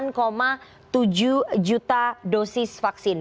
ini untuk tokoh masyarakat yang dibutuhkan adalah delapan tujuh juta dosis vaksin